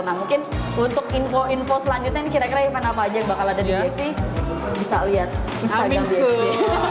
nah mungkin untuk info info selanjutnya ini kira kira event apa aja yang bakal ada di indonesia bisa lihat apa aja sih